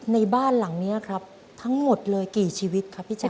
ในบ้านหลังนี้ครับทั้งหมดเลยกี่ชีวิตครับพี่แจ